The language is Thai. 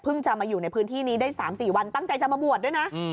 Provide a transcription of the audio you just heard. จะมาอยู่ในพื้นที่นี้ได้๓๔วันตั้งใจจะมาบวชด้วยนะ